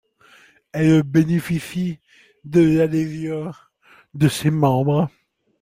Elle bénéficie de l'adhésion de ses membres.